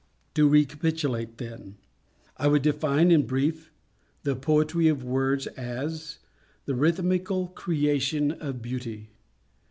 To recapitulate then:—I would define, in brief, the Poetry of words as _The Rhythmical Creation of Beauty.